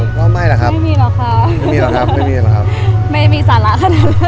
สารละขนาดนั้น